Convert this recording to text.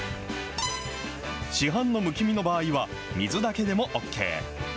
市販のむき身の場合は、水だけでもＯＫ。